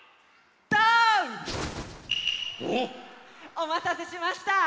おまたせしました！